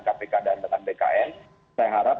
kpk dan dengan bkn saya harap